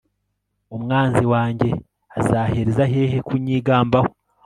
umwanzi wanjye azahereza hehe kunyigambaho